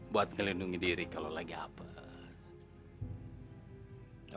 buat ngelindungi diri kalau lagi apes